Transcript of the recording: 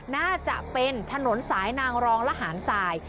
น่าจะเป็นถนนสายนางรองระหารสาย